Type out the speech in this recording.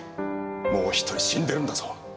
もう１人死んでるんだぞ。